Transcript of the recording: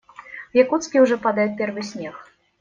В Якутске уже падает первый снег.